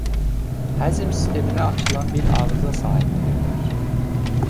Həzm sisteminə açılan bir ağıza sahibdirlər.